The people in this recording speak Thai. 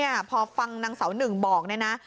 โอโหพอฟังนางเสาหนึ่งบอกแล้วนะ